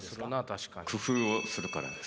工夫をするからです。